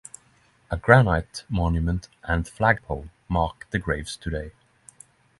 A granite monument and flagpole mark the graves today.